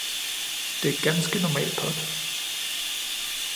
Det er ganske normal pot.